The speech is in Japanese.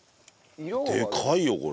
でかいよこれ。